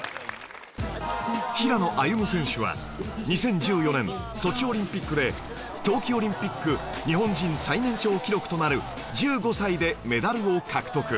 平野歩夢選手は２０１４年ソチオリンピックで冬季オリンピック日本人最年少記録となる１５歳でメダルを獲得